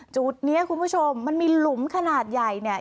จุดนี้คุณผู้ชมมันมีหลุมขนาดใหญ่เนี่ย